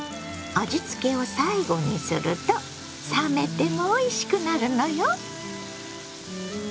味付けを最後にすると冷めてもおいしくなるのよ！